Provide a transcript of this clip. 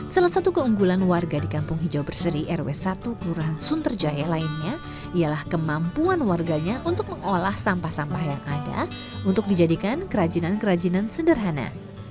salah satu keunggulan warga di kampung hijau berseri rw satu kelurahan sunterjaya lainnya ialah kemampuan warganya untuk mengolah sampah sampah yang ada untuk dijadikan kerajinan kerajinan sederhana